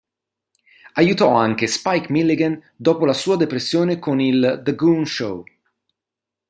Aiutò anche Spike Milligan dopo la sua depressione con il "The Goon Show".